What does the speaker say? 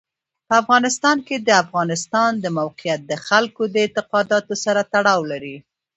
په افغانستان کې د افغانستان د موقعیت د خلکو د اعتقاداتو سره تړاو لري.